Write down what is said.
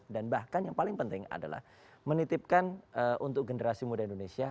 dan bahkan yang paling penting adalah menitipkan untuk generasi muda indonesia